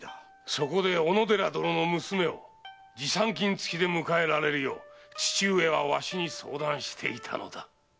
そこで小野寺殿の娘を持参金付きで迎えられるよう父上はわしに相談していたのだ。